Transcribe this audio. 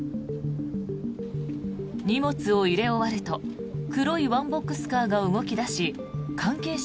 荷物を入れ終わると黒いワンボックスカーが動き出し関係者